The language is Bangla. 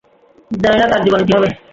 জানি না তার জীবনে কি হবে।